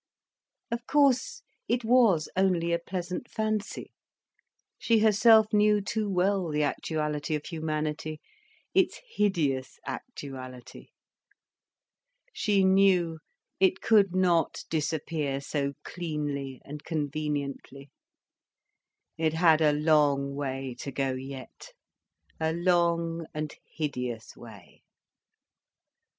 Of course it was only a pleasant fancy. She herself knew too well the actuality of humanity, its hideous actuality. She knew it could not disappear so cleanly and conveniently. It had a long way to go yet, a long and hideous way.